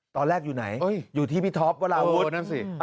ตอนแรกอยู่ไหนอยู่ที่พี่ท็อปวราวุฒินั่นสิ